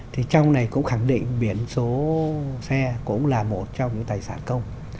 thì trong này cũng khẳng định biển số xe cũng là một trong những tài sản công